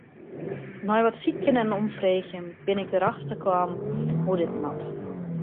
Nei wat sykjen en omfreegjen bin ik derefter kommen hoe't dit moat.